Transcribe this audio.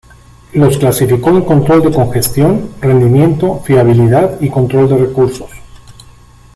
Los clasificó en control de congestión, rendimiento, fiabilidad y control de recursos.